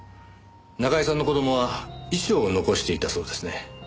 中居さんの子供は遺書を残していたそうですね。